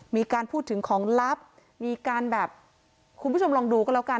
มีการพูดถึงของลับมีการแบบคุณผู้ชมลองดูก็แล้วกัน